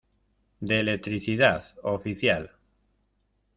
de electricidad, oficial.